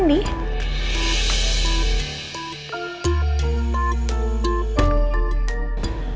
ini randy kan